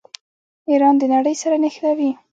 ایران د نړۍ سره نښلوي.